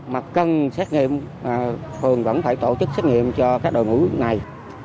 mà cần xét nghiệm phường vẫn phải tổ chức xét nghiệm cho các đội ngũ này